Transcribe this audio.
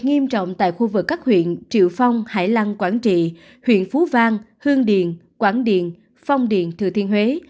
nghiêm trọng tại khu vực các huyện triệu phong hải lăng quảng trị huyện phú vang hương điền quảng điền phong điền thừa thiên huế